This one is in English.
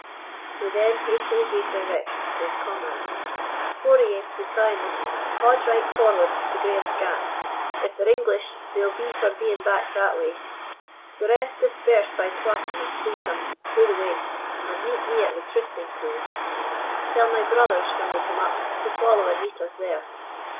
He then hastily gave directions to his comrades: "Four o' ye, wi' Simon, haud right forward to Graeme's gap. If they're English, they'll be for being back that way. The rest disperse by twasome and threesome through the waste, and meet me at the Trysting pool. Tell my brothers, when they come up, to follow and meet us there.